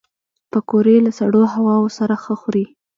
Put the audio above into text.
پکورې له سړو هواوو سره ښه خوري